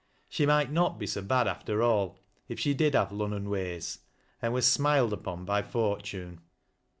She might not be so bad after all, if she did have " Lunnon ways," and was si died apon by Fortiine.